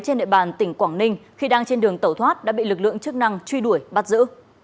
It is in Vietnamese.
trên địa bàn tỉnh quảng ninh khi đang trên đường tẩu thoát đã bị lực lượng chức năng truy đuổi bắt giữ